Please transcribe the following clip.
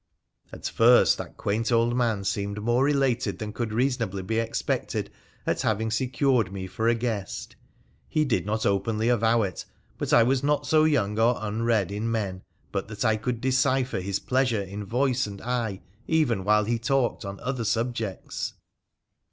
At first that quaint old man seemed more elated than could reasonably be expected at having secured me for a guest. He did not openly avow it, but I was not so young or unread in men but that I could decipher his pleasure in voice and eye, even while he talked on other subjects.